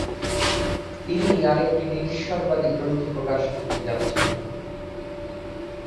তিনি আরেকটি নিরীশ্বরবাদী গ্রন্থ প্রকাশ করতে যাচ্ছেন।